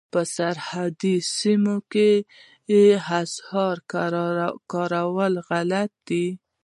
په سرحدي سیمو کې اسعار کارول غلط دي.